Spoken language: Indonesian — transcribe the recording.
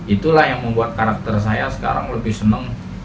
itulah yang membuat karakter saya sekarang lebih senang jual beli kukulan